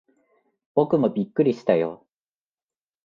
僕もびっくりしたよ。